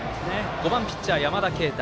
５番ピッチャー、山田渓太。